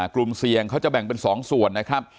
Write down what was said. กลุ่มเสี่ยงเขาจะแบ่งเป็น๒ส่วนนะครับ